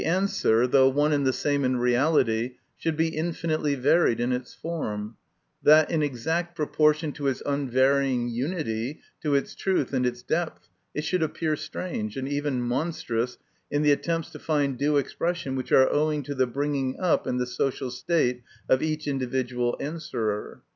answer, though one and the same in reality, should be infinitely varied in its form ; that, in exact proportion to its unvarying unity, to its truth, and its depth, it should appear strange, and even monstrous, in the attempts to find due expression which are owing to the bringing up and the social state of each individual answerer.